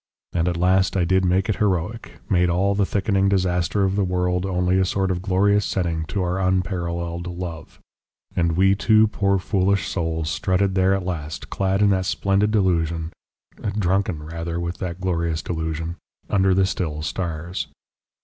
And at last I did make it heroic, made all the thickening disaster of the world only a sort of glorious setting to our unparalleled love, and we two poor foolish souls strutted there at last, clad in that splendid delusion, drunken rather with that glorious delusion, under the still stars.